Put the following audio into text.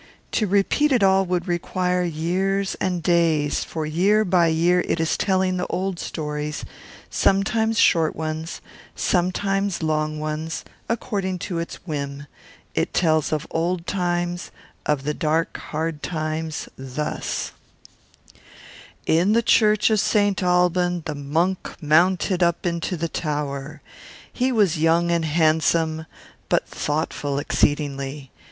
To repeat it all would require years and days; for year by year it is telling the old stories, sometimes short ones, sometimes long ones, according to its whim; it tells of old times, of the dark hard times, thus: "In the church of St. Alban, the monk had mounted up into the tower. He was young and handsome, but thoughtful exceedingly.